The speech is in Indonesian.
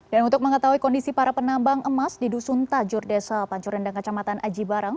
untuk mengetahui kondisi para penambang emas di dusun tajur desa pancorendang kecamatan aji barang